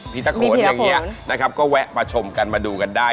ตะโขนอย่างนี้นะครับก็แวะมาชมกันมาดูกันได้